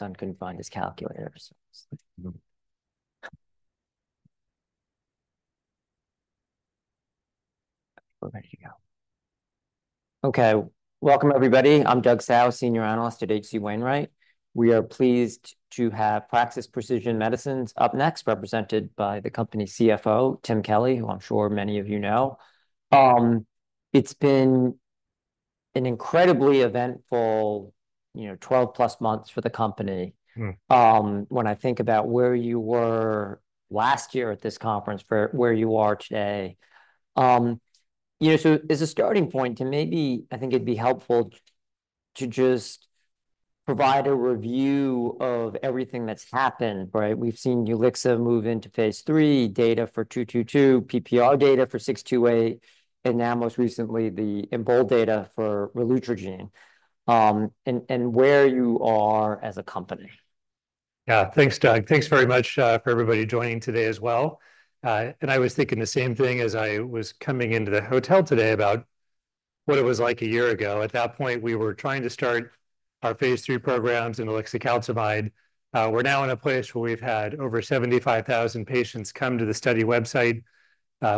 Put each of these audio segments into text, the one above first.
My son couldn't find his calculator, so let me. We're ready to go. Okay, welcome, everybody. I'm Doug Tsao, Senior Analyst at H.C. Wainwright. We are pleased to have Praxis Precision Medicines up next, represented by the company's CFO, Tim Kelly, who I'm sure many of you know. It's been an incredibly eventful, you know, twelve-plus months for the company. Mm. When I think about where you were last year at this conference versus where you are today, you know, so as a starting point to maybe I think it'd be helpful to just provide a review of everything that's happened, right? We've seen ulixacaltamide move into phase III, data for 222, PPR data for 628, and now, most recently, the EMBOLD data for relutrigine, and where you are as a company. Yeah. Thanks, Doug. Thanks very much for everybody joining today as well. I was thinking the same thing as I was coming into the hotel today about what it was like a year ago. At that point, we were trying to start our phase III programs in ulixacaltamide. We're now in a place where we've had over 75,000 patients come to the study website.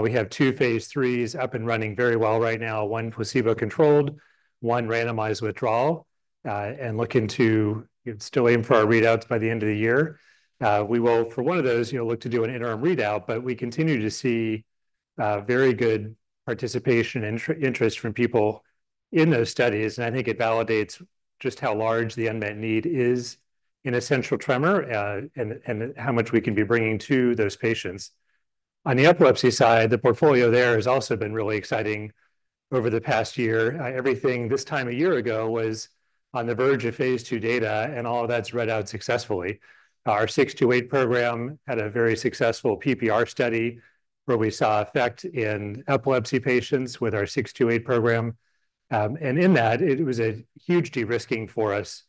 We have two phase IIIs up and running very well right now, one placebo-controlled, one randomized withdrawal, and looking to, you know, still aim for our readouts by the end of the year. We will, for one of those, you know, look to do an interim readout, but we continue to see very good participation interest from people in those studies, and I think it validates just how large the unmet need is in essential tremor, and how much we can be bringing to those patients. On the epilepsy side, the portfolio there has also been really exciting over the past year. Everything this time a year ago was on the verge of phase II data, and all of that's read out successfully. Our 628 program had a very successful PPR study, where we saw effect in epilepsy patients with our 628 program. And in that, it was a huge de-risking for us.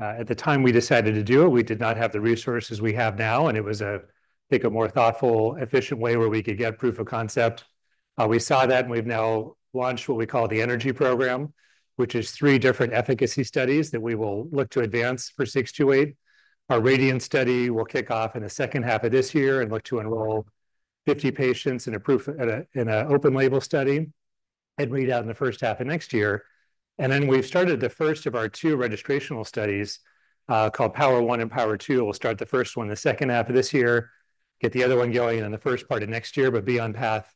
At the time we decided to do it, we did not have the resources we have now, and it was, I think, a more thoughtful, efficient way where we could get proof of concept. We saw that, and we've now launched what we call the Energy Program, which is three different efficacy studies that we will look to advance for 628. Our RADIANT study will kick off in the second half of this year and look to enroll 50 patients in an open label study and read out in the first half of next year. Then, we've started the first of our two registrational studies, called POWER1 and POWER2. We'll start the first one the second half of this year, get the other one going in the first part of next year, but be on path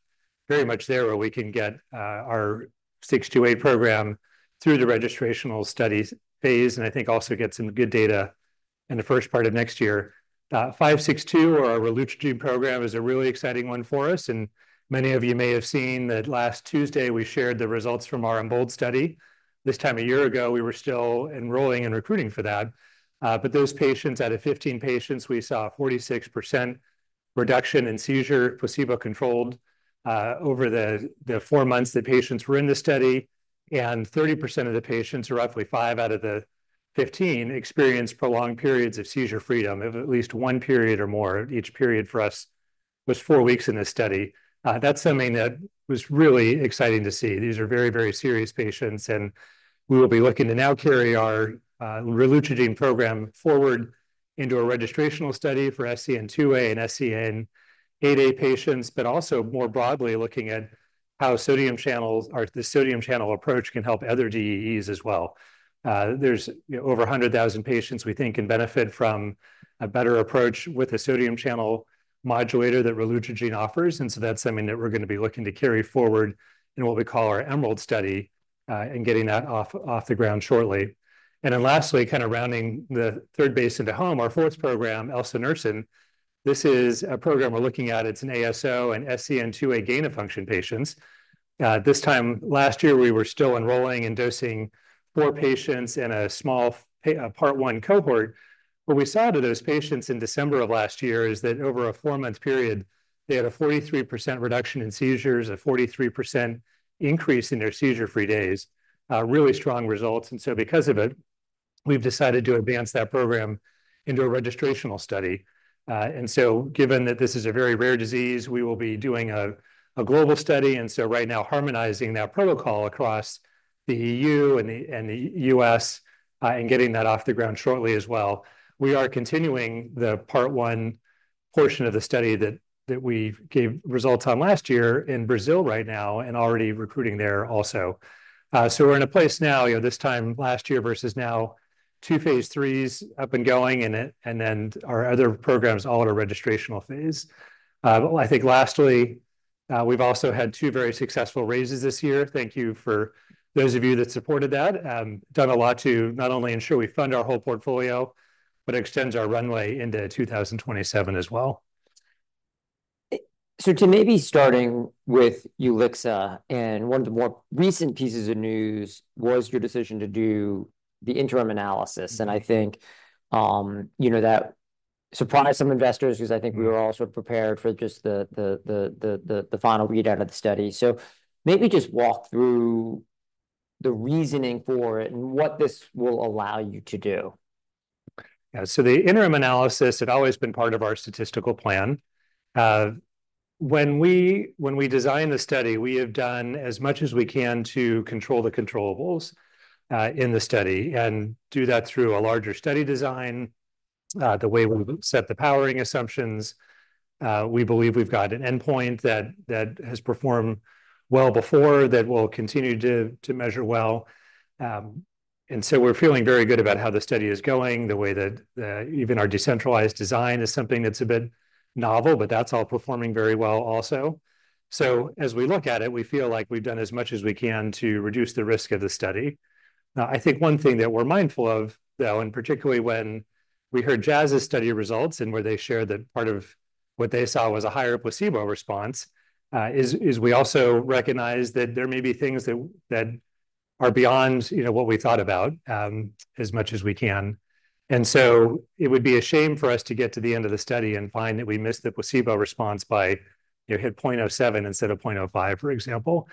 very much there, where we can get our 628 program through the registrational studies phase, and I think also get some good data in the first part of next year. 562, or our relutrigine program, is a really exciting one for us, and many of you may have seen that last Tuesday, we shared the results from our EMBOLD study. This time a year ago, we were still enrolling and recruiting for that. But those patients, out of 15 patients, we saw a 46% reduction in seizure, placebo-controlled, over the, the four months that patients were in the study, and 30% of the patients, or roughly five out of the 15, experienced prolonged periods of seizure freedom of at least one period or more. Each period for us was four weeks in this study. That's something that was really exciting to see. These are very, very serious patients, and we will be looking to now carry our relutrigine program forward into a registrational study for SCN2A and SCN8A patients, but also more broadly, looking at how sodium channels or the sodium channel approach can help other DEEs as well. There’s, you know, over a hundred thousand patients we think can benefit from a better approach with a sodium channel modulator that relutrigine offers, and so that’s something that we’re gonna be looking to carry forward in what we call our EMERALD study, and getting that off the ground shortly. Then lastly, kind of rounding the third base into home, our fourth program, elsanorisen. This is a program we’re looking at. It’s an ASO and SCN2A gain-of-function patients. This time last year, we were still enrolling and dosing four patients in a small Part 1 cohort. What we saw in those patients in December of last year is that over a four-month period, they had a 43% reduction in seizures, a 43% increase in their seizure-free days. Really strong results, and so because of it, we've decided to advance that program into a registrational study. And so given that this is a very rare disease, we will be doing a global study, and so right now, harmonizing that protocol across the EU and the U.S., and getting that off the ground shortly as well. We are continuing the Part 1 portion of the study that we gave results on last year in Brazil right now and already recruiting there also. So we're in a place now, you know, this time last year versus now, two phase IIIs up and going, and then our other programs all at a registrational phase. I think lastly, we've also had two very successful raises this year. Thank you for those of you that supported that. Done a lot to not only ensure we fund our whole portfolio, but extends our runway into 2027 as well. So, to maybe start with ulixacaltamide, and one of the more recent pieces of news was your decision to do the interim analysis, and I think, you know, that surprised some investors because I think we were all sort of prepared for just the final readout of the study. So maybe just walk through the reasoning for it and what this will allow you to do. Yeah. So the interim analysis had always been part of our statistical plan. When we designed the study, we have done as much as we can to control the controllables in the study, and do that through a larger study design, the way we've set the powering assumptions. We believe we've got an endpoint that has performed well before, that will continue to measure well. And so we're feeling very good about how the study is going, the way that even our decentralized design is something that's a bit novel, but that's all performing very well also. So as we look at it, we feel like we've done as much as we can to reduce the risk of the study. Now, I think one thing that we're mindful of, though, and particularly when we heard Jazz's study results and where they shared that part of what they saw was a higher placebo response, is we also recognize that there may be things that are beyond, you know, what we thought about, as much as we can. And so it would be a shame for us to get to the end of the study and find that we missed the placebo response by, you know, hit point zero seven instead of point zero five, for example.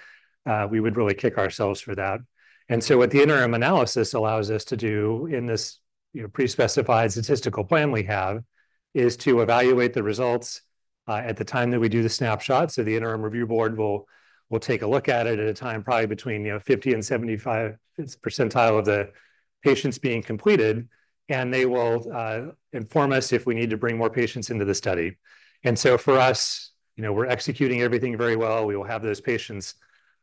We would really kick ourselves for that. And so what the interim analysis allows us to do in this, you know, pre-specified statistical plan we have, is to evaluate the results, at the time that we do the snapshot. So the interim review board will take a look at it at a time, probably between, you know, 50 and 75 percentile of the patients being completed, and they will inform us if we need to bring more patients into the study. And so for us, you know, we're executing everything very well. We will have those patients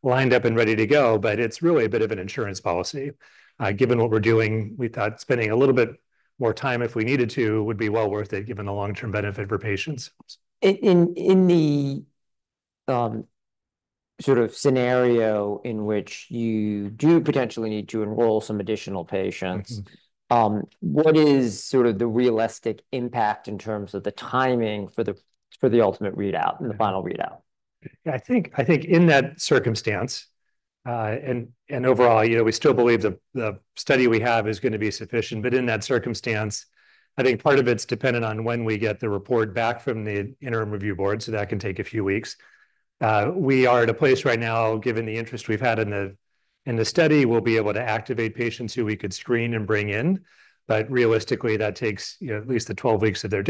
lined up and ready to go, but it's really a bit of an insurance policy. Given what we're doing, we thought spending a little bit more time if we needed to would be well worth it, given the long-term benefit for patients. In the sort of scenario in which you do potentially need to enroll some additional patients- Mm-hmm. What is sort of the realistic impact in terms of the timing for the ultimate readout, the final readout? I think in that circumstance, and overall, you know, we still believe the study we have is gonna be sufficient, but in that circumstance, I think part of it's dependent on when we get the report back from the interim review board, so that can take a few weeks. We are at a place right now, given the interest we've had in the study, we'll be able to activate patients who we could screen and bring in, but realistically, that takes, you know, at least the 12 weeks of their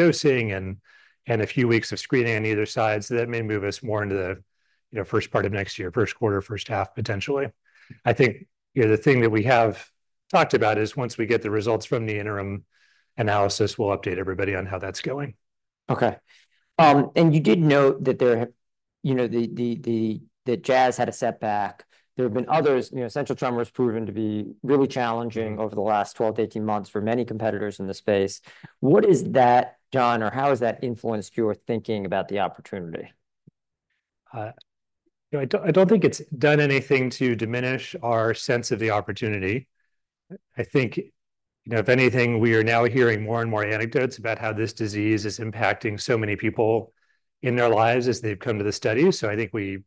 dosing and a few weeks of screening on either side. So that may move us more into, you know, the first part of next year, first quarter, first half, potentially. I think, you know, the thing that we have talked about is once we get the results from the interim analysis, we'll update everybody on how that's going. Okay. And you did note that there have, you know, that Jazz had a setback. There have been others. You know, essential tremor has proven to be really challenging over the last 12-18 months for many competitors in the space. What is that, John, or how has that influenced your thinking about the opportunity? You know, I don't think it's done anything to diminish our sense of the opportunity. I think, you know, if anything, we are now hearing more and more anecdotes about how this disease is impacting so many people in their lives as they've come to the study. So I think we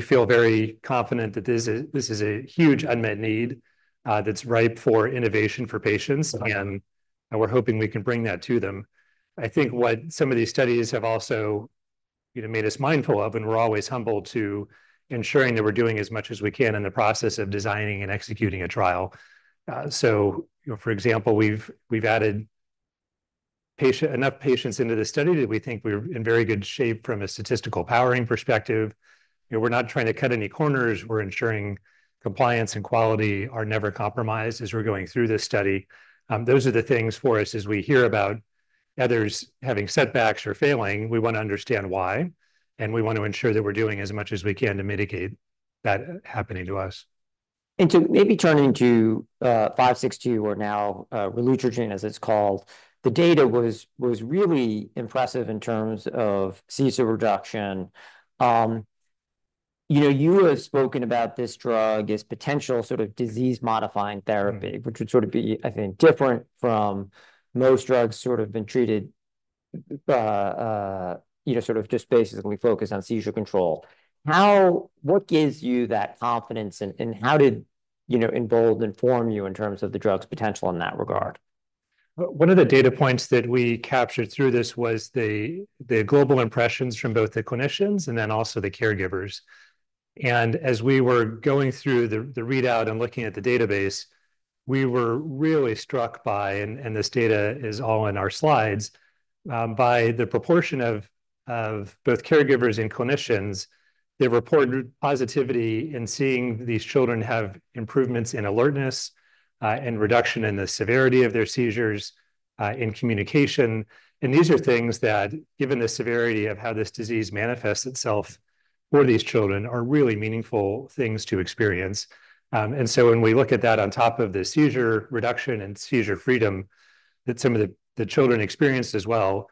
feel very confident that this is a huge unmet need that's ripe for innovation for patients. Okay and we're hoping we can bring that to them. I think what some of these studies have also, you know, made us mindful of, and we're always humbled to ensuring that we're doing as much as we can in the process of designing and executing a trial, so, you know, for example, we've added enough patients into the study that we think we're in very good shape from a statistical powering perspective. You know, we're not trying to cut any corners. We're ensuring compliance and quality are never compromised as we're going through this study. Those are the things for us as we hear about others having setbacks or failing. We want to understand why, and we want to ensure that we're doing as much as we can to mitigate that happening to us. Turning to 562 or now relutrigine, as it's called, the data was really impressive in terms of seizure reduction. You know, you have spoken about this drug as potential sort of disease-modifying therapy- Mm which would sort of be, I think, different from most drugs sort of been treated, you know, sort of just basically focused on seizure control. How? What gives you that confidence, and how did, you know, EMBOLD inform you in terms of the drug's potential in that regard? One of the data points that we captured through this was the global impressions from both the clinicians and then also the caregivers. As we were going through the readout and looking at the database, we were really struck by, and this data is all in our slides, by the proportion of both caregivers and clinicians. They reported positivity in seeing these children have improvements in alertness and reduction in the severity of their seizures in communication. These are things that, given the severity of how this disease manifests itself for these children, are really meaningful things to experience. And so when we look at that on top of the seizure reduction and seizure freedom that some of the children experienced as well,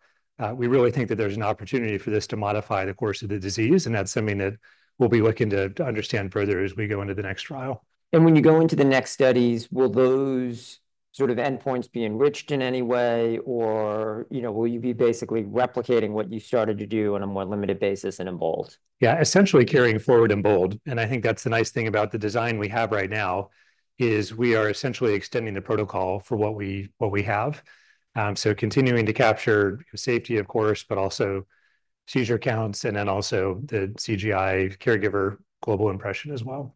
we really think that there's an opportunity for this to modify the course of the disease. And that's something that we'll be looking to understand further as we go into the next trial. When you go into the next studies, will those sort of endpoints be enriched in any way, or, you know, will you be basically replicating what you started to do on a more limited basis in EMBOLD? Yeah, essentially carrying forward EMBOLD, and I think that's the nice thing about the design we have right now, is we are essentially extending the protocol for what we have. So continuing to capture safety, of course, but also seizure counts and then also the CGI, Caregiver Global Impression, as well.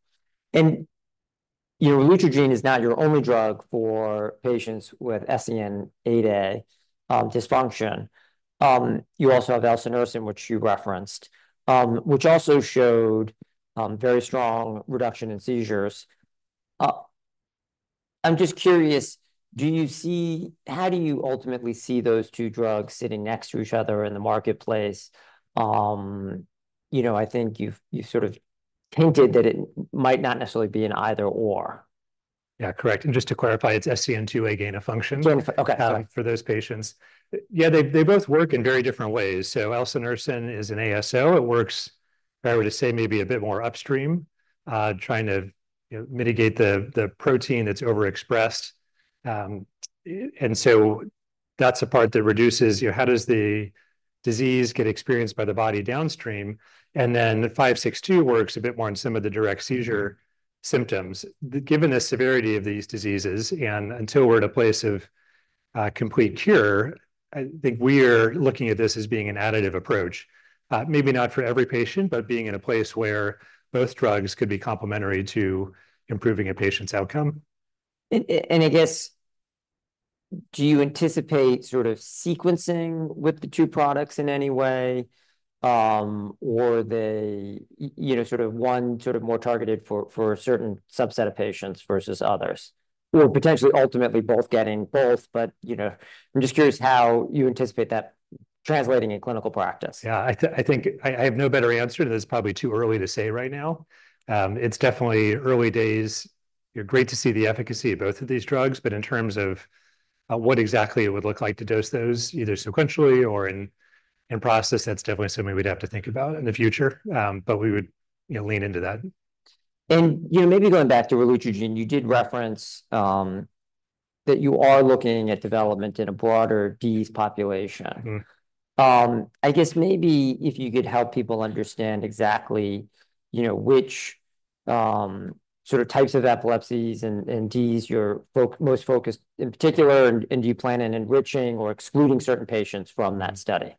You know, relutrigine is not your only drug for patients with SCN8A dysfunction. You also have elsanorisen, which you referenced, which also showed very strong reduction in seizures. I'm just curious, do you see how you ultimately see those two drugs sitting next to each other in the marketplace? You know, I think you've sort of hinted that it might not necessarily be an either/or. Yeah, correct. And just to clarify, it's SCN2A gain-of-function- Okay. Sorry for those patients. Yeah, they both work in very different ways. So elsanorisen is an ASO. It works, if I were to say, maybe a bit more upstream, trying to, you know, mitigate the protein that's overexpressed. And so that's the part that reduces, you know, how the disease gets experienced by the body downstream? And then 562 works a bit more on some of the direct seizure- symptoms. Given the severity of these diseases, and until we're at a place of complete cure, I think we're looking at this as being an additive approach. Maybe not for every patient, but being in a place where both drugs could be complementary to improving a patient's outcome. And I guess, do you anticipate sort of sequencing with the two products in any way? Or are they, you know, sort of one more targeted for a certain subset of patients versus others, or potentially ultimately both getting both? But, you know, I'm just curious how you anticipate that translating in clinical practice. Yeah, I think I have no better answer to this. It's probably too early to say right now. It's definitely early days. It's great to see the efficacy of both of these drugs, but in terms of what exactly it would look like to dose those, either sequentially or in process, that's definitely something we'd have to think about in the future. But we would, you know, lean into that. You know, maybe going back to relutrigine, you did reference that you are looking at development in a broader DEE population. Mm-hmm. I guess maybe if you could help people understand exactly, you know, which sort of types of epilepsies and DEEs you're most focused in particular, and do you plan on enriching or excluding certain patients from that study?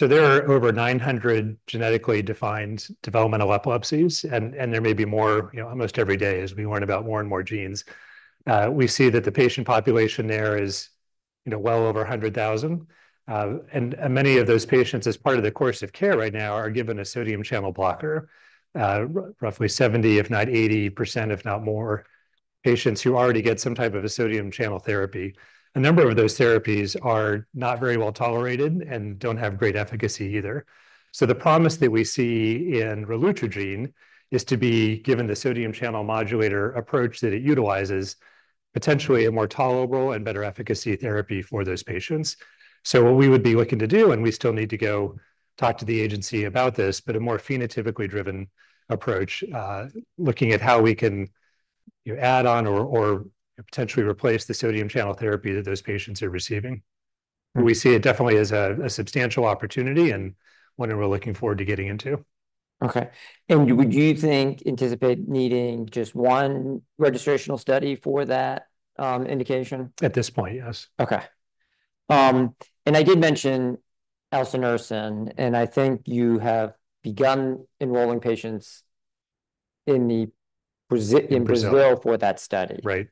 There are over 900 genetically defined developmental epilepsies, and there may be more, you know, almost every day as we learn about more and more genes. We see that the patient population there is, you know, well over 100,000. And many of those patients, as part of their course of care right now, are given a sodium channel blocker. Roughly 70%, if not 80%, if not more, patients who already get some type of a sodium channel therapy. A number of those therapies are not very well tolerated and don't have great efficacy either. The promise that we see in relutrigine is to be, given the sodium channel modulator approach that it utilizes, potentially a more tolerable and better efficacy therapy for those patients. So what we would be looking to do, and we still need to go talk to the agency about this, but a more phenotypically driven approach, looking at how we can, you know, add on or potentially replace the sodium channel therapy that those patients are receiving. Mm-hmm. We see it definitely as a substantial opportunity and one that we're looking forward to getting into. Okay. And would you think, anticipate needing just one registrational study for that indication? At this point, yes. Okay, and I did mention elsanorisen, and I think you have begun enrolling patients in Brazil- In Brazil in Brazil for that study. Right.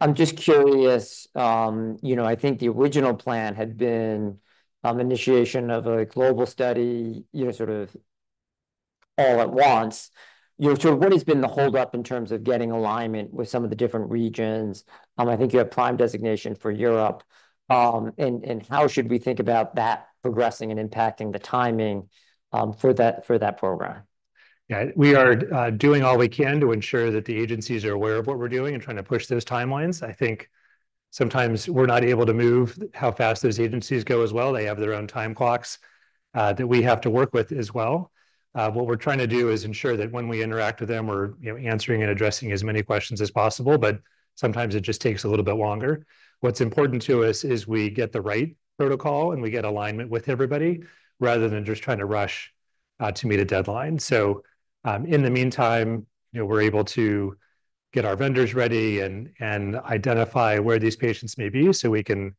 I'm just curious, you know, I think the original plan had been initiation of a global study, you know, sort of all at once. You know, so what has been the hold-up in terms of getting alignment with some of the different regions? I think you have PRIME designation for Europe. And how should we think about that progressing and impacting the timing, for that program? Yeah. We are doing all we can to ensure that the agencies are aware of what we're doing and trying to push those timelines. I think sometimes we're not able to move how fast those agencies go as well. They have their own time clocks that we have to work with as well. What we're trying to do is ensure that when we interact with them, we're, you know, answering and addressing as many questions as possible, but sometimes it just takes a little bit longer. What's important to us is we get the right protocol, and we get alignment with everybody, rather than just trying to rush to meet a deadline. So, in the meantime, you know, we're able to get our vendors ready and identify where these patients may be, so we can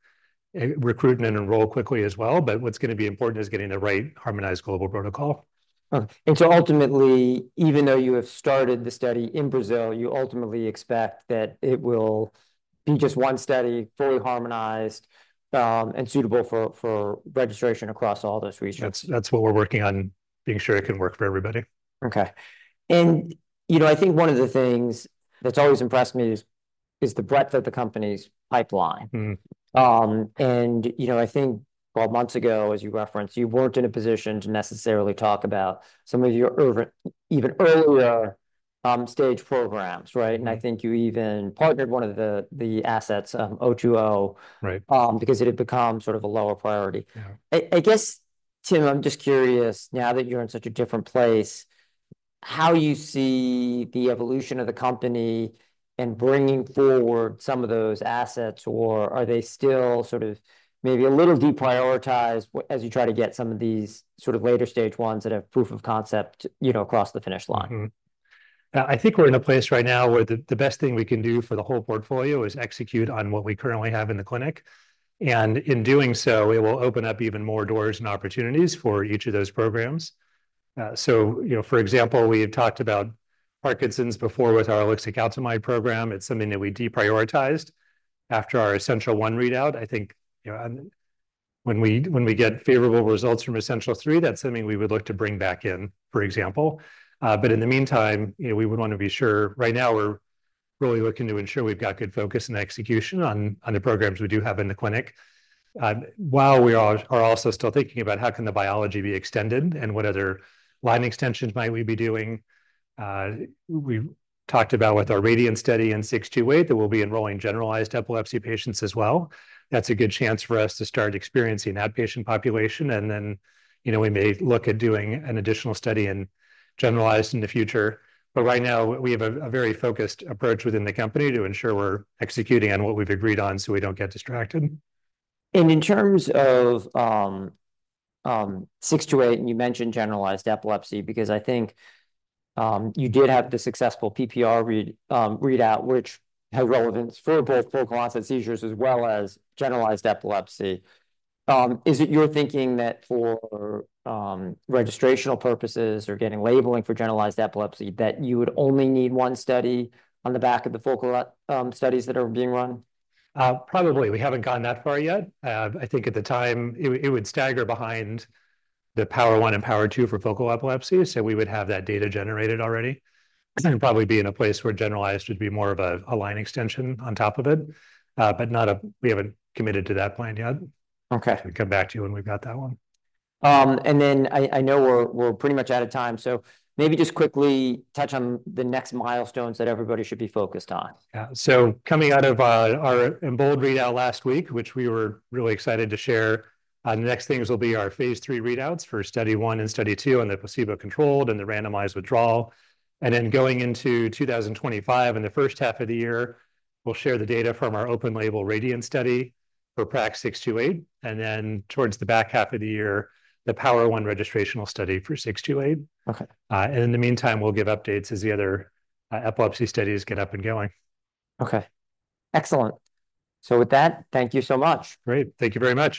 recruit and enroll quickly as well. But what's gonna be important is getting the right harmonized global protocol. And so ultimately, even though you have started the study in Brazil, you ultimately expect that it will be just one study, fully harmonized, and suitable for registration across all those regions? That's what we're working on, being sure it can work for everybody. Okay, and you know, I think one of the things that's always impressed me is the breadth of the company's pipeline. Mm-hmm. You know, I think, well, months ago, as you referenced, you weren't in a position to necessarily talk about some of your even earlier stage programs, right? And I think you even partnered one of the assets, PRAX-020. Right because it had become sort of a lower priority. Yeah. I guess, Tim, I'm just curious, now that you're in such a different place, how you see the evolution of the company in bringing forward some of those assets, or are they still sort of maybe a little deprioritized as you try to get some of these sort of later-stage ones that have proof of concept, you know, across the finish line? I think we're in a place right now where the best thing we can do for the whole portfolio is execute on what we currently have in the clinic, and in doing so, it will open up even more doors and opportunities for each of those programs. So, you know, for example, we had talked about Parkinson's before with our ulixacaltamide program. It's something that we deprioritized after our Essential1 readout. I think, you know, when we get favorable results from Essential3, that's something we would look to bring back in, for example. But in the meantime, you know, we would want to be sure. Right now, we're really looking to ensure we've got good focus and execution on the programs we do have in the clinic. While we are also still thinking about how can the biology be extended and what other line extensions might we be doing, we've talked about with our RADIANT study in 628, that we'll be enrolling generalized epilepsy patients as well. That's a good chance for us to start experiencing that patient population, and then, you know, we may look at doing an additional study and generalized in the future. But right now, we have a very focused approach within the company to ensure we're executing on what we've agreed on, so we don't get distracted. And in terms of six two eight, and you mentioned generalized epilepsy because I think you did have the successful PPR readout, which had relevance for both focal onset seizures as well as generalized epilepsy. Is it your thinking that for registrational purposes or getting labeling for generalized epilepsy, that you would only need one study on the back of the focal studies that are being run? Probably. We haven't gotten that far yet. I think at the time, it would stagger behind the POWER1 and POWER2 for focal epilepsy, so we would have that data generated already. Okay. Probably be in a place where generalized would be more of a line extension on top of it, but not a... We haven't committed to that plan yet. Okay. We'll come back to you when we've got that one. And then I know we're pretty much out of time, so maybe just quickly touch on the next milestones that everybody should be focused on. Yeah. So coming out of our EMBOLD readout last week, which we were really excited to share, the next things will be our phase III readouts for Study 1 and Study 2, and the placebo-controlled and the randomized withdrawal. And then, going into 2025, in the first half of the year, we'll share the data from our open label RADIANT study for PRAX-628, and then towards the back half of the year, the POWER1 registrational study for 628. Okay. And in the meantime, we'll give updates as the other epilepsy studies get up and going. Okay. Excellent. So with that, thank you so much. Great. Thank you very much.